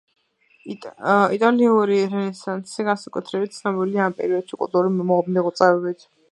იტალიური რენესანსი განსაკუთრებით ცნობილია ამ პერიოდის კულტურული მიღწევებით.